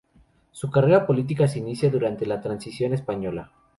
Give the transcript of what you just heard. Su carrera política se inicia durante la Transición Española.